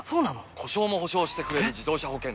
故障も補償してくれる自動車保険といえば？